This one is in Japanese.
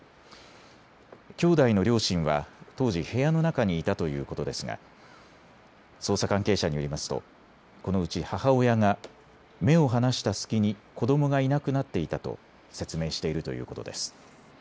兄弟の両親は当時、部屋の中にいたということですが捜査関係者によりますとこのうち母親が目を離した隙に子どもがいなくなっていたと説明しているということです。